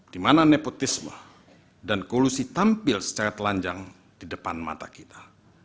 dimana nepotisme dan koalusi tampil secara telanjang di depan mata kita